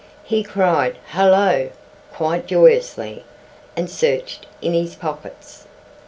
So he cried "Hullo," quite joyously, and searched in his pockets.